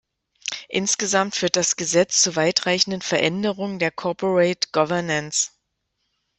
Insgesamt führt das Gesetz zu weitreichenden Veränderungen der Corporate Governance.